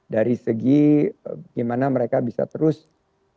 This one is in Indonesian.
dari segi gimana mereka bisa terus menjalankan kebijakan itu